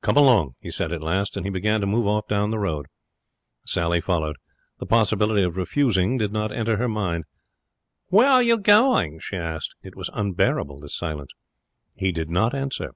'Come along!' he said, at last, and he began to move off down the road. Sally followed. The possibility of refusing did not enter her mind. 'Where are you going?' she asked. It was unbearable, this silence. He did not answer.